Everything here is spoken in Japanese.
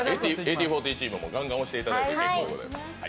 １８／４０チームもガンガン押していただいて結構でございます。